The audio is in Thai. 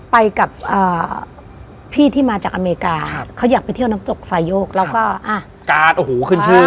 ไปกับพี่ที่มาจากอเมริกาเขาอยากไปเที่ยวน้ำตกไซโยกแล้วก็อ่ะการ์ดโอ้โหขึ้นชื่อ